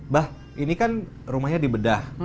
bah ini kan rumahnya dibedah